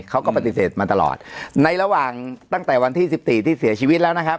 เขาก็ปฏิเสธมาตลอดในระหว่างตั้งแต่วันที่สิบสี่ที่เสียชีวิตแล้วนะครับ